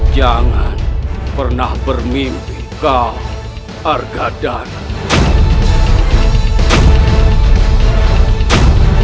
jangan pernah bermimpi kau argadana